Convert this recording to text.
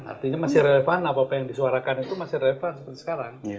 artinya masih relevan apa apa yang disuarakan itu masih relevan seperti sekarang